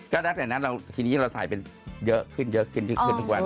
ก็หลังจากนั้นทีนี้เราใส่เป็นเยอะขึ้นขึ้นทุกวัน